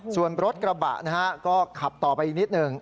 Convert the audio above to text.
ส่วนรถกระบะนะฮะก็ขับต่อไปอีกนิดหนึ่ง